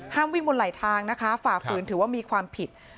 วิ่งบนไหลทางนะคะฝ่าฝืนถือว่ามีความผิด